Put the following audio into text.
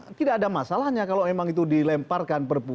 nah tidak ada masalahnya kalau memang itu dilemparkan perpu